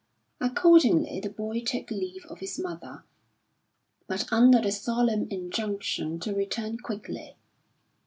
Accordingly the boy took leave of his mother, but under the solemn injunction to return quickly.